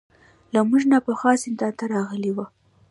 له موږ نه پخوا زندان ته راغلي وو.